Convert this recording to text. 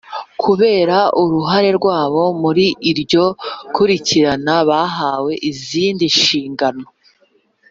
Kubera uruhare rwabo muri iryo kurikirana bahawe izindi nshingano